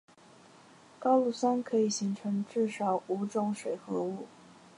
高氯酸可以形成至少五种水合物。